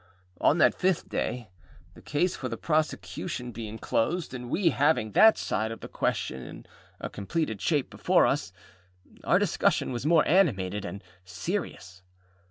On that fifth day, the case for the prosecution being closed, and we having that side of the question in a completed shape before us, our discussion was more animated and serious.